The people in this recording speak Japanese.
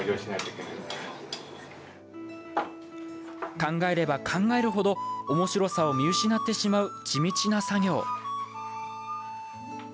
考えれば考えるほどおもしろさを見失ってしまう地道な作業。